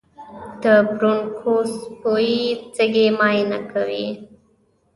د برونکوسکوپي سږي معاینه کوي.